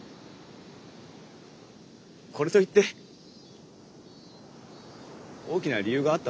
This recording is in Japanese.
これといって大きな理由があったわけじゃないんだけど。